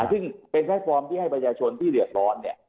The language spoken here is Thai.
ซึ่งเป็นแพลตฟอร์มที่ให้ประชาชนที่เดือดร้อนเนี่ย